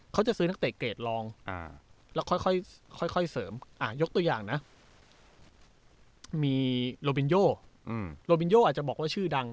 เขาจะซื้อนักเตะเกรดลองแล้วค่อยเสริมยกตัวอย่างนะมีโลบินโยโลบินโยอาจจะบอกว่าชื่อดัง